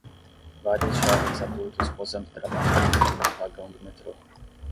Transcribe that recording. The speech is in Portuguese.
Vários jovens adultos posando dramaticamente em um vagão do metrô.